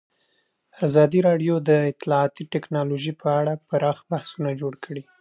ازادي راډیو د اطلاعاتی تکنالوژي په اړه پراخ بحثونه جوړ کړي.